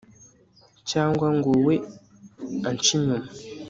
cyangwa ngowe, ance, inyuma